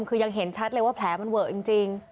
คือยังเห็นชัดเลยว่าแผลเวอร์มันเวิร์กจริง